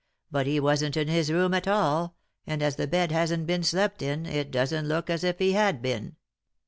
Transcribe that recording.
But he wasn't in his room at all, and, as the bed hasn't been slept in, it doesn't look as if he had been."